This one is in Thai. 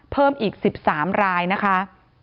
เพิ่มอีก๑๓รายนะคะ